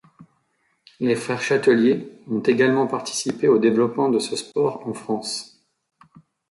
Les frères Chatelier ont également participé au développement de ce sport en France.